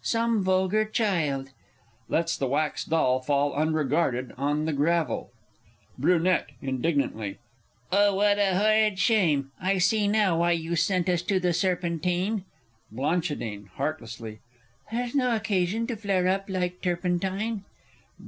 Some vulgar child ... [Lets the wax doll fall unregarded on the gravel. Br. (indignantly). Oh, what a horrid shame! I see now why you sent us to the Serpentine! Bl. (heartlessly). There's no occasion to flare up like turpentine.